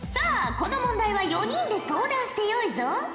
この問題は４人で相談してよいぞ。